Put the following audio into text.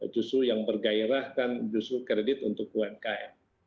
justru yang bergairah kan justru kredit untuk umkm